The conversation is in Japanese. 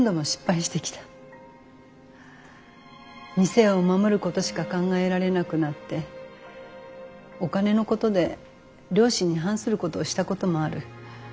店を守ることしか考えられなくなってお金のことで良心に反することをしたこともある。